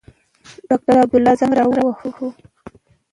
ډاکټر عبدالله زنګ را ووهه.